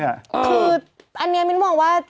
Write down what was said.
คืออันนี้มินว่า